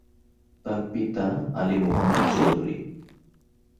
তার পিতা আলী মোহাম্মদ চৌধুরী।